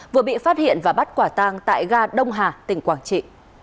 vừa bị phát hiện và bắt quả tang tại ga đông hà tỉnh quảng trị